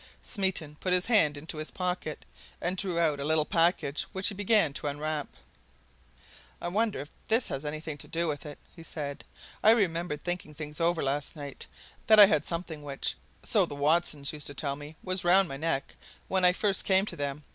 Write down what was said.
Smeaton put his hand into his pocket, and drew out a little package which he began to unwrap. "I wonder if this has anything to do with it," he said. "I remembered, thinking things over last night, that I had something which, so the Watsons used to tell me, was round my neck when I first came to them.